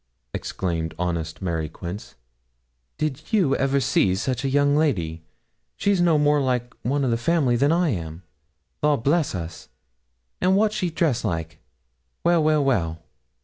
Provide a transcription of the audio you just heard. exclaimed honest Mary Quince, 'Did you ever see such a young lady? She's no more like one o' the family than I am. Law bless us! and what's she dressed like? Well, well, well!'